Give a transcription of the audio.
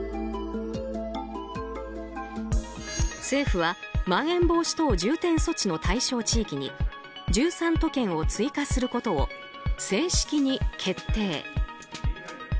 政府はまん延防止等重点措置の対象地域に１３都県を追加することを正式に決定。